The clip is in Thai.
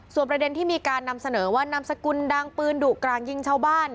ประเด็นที่มีการนำเสนอว่านามสกุลดังปืนดุกลางยิงชาวบ้าน